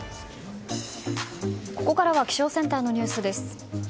ここからは気象センターのニュースです。